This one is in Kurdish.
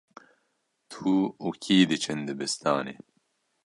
Tu û kî diçin dibistanê?